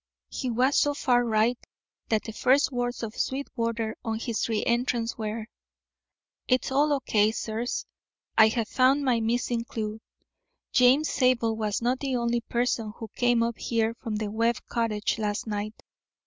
He was so far right that the first words of Sweetwater on his re entrance were: "It's all O. K., sirs. I have found my missing clew. James Zabel was not the only person who came up here from the Webb cottage last night."